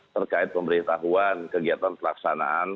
terkait pemberitahuan kegiatan pelaksanaan